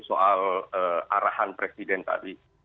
soal arahan presiden tadi